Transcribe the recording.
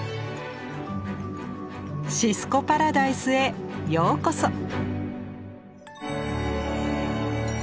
シスコ・パラダイスへようこそ。